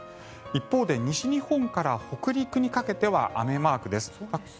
一方で西日本から北陸にかけては雨マークです。